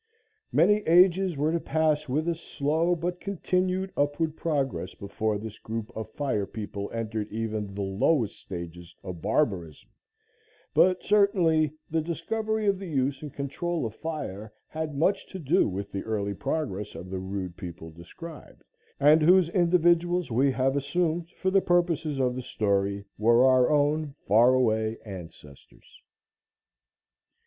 Many ages were to pass with a slow but continued upward progress before this group of fire people entered even the lowest stages of barbarism, but certainly the discovery of the use and control of fire had much to do with the early progress of the rude people described, and whose individuals, we have assumed for the purposes of the story, were our own far away ancestors.